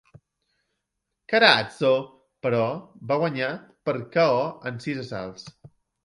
Carazo, però, va guanyar per KO en sis assalts.